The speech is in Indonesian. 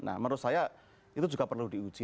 nah menurut saya itu juga perlu diuji